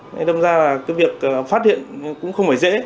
nên đồng ra là cái việc phát hiện cũng không phải dễ